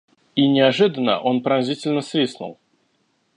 – И неожиданно он пронзительно свистнул.